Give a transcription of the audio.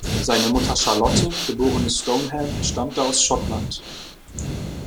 Seine Mutter Charlotte, geborene Stoneham, stammte aus Schottland.